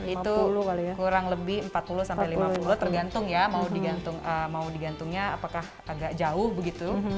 itu kurang lebih empat puluh sampai lima puluh tergantung ya mau digantung mau digantungnya apakah agak jauh begitu